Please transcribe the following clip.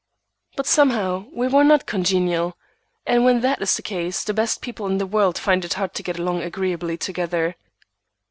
But somehow we were not congenial, and when that is the case the best people in the world find it hard to get along agreeably together.